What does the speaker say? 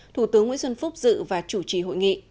thủ tướng nguyễn xuân phúc dự và chủ trì hội nghị